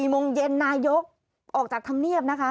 โมงเย็นนายกออกจากธรรมเนียบนะคะ